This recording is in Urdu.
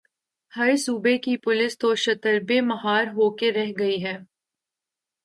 ہر صوبے کی پولیس تو شتر بے مہار ہو کے رہ گئی ہے۔